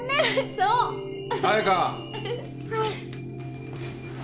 はい。